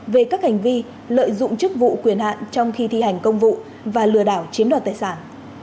về các hành vi lợi dụng chức vụ quyền hạn trong khi thi hành công vụ và lừa đảo chiếm đoạt tài sản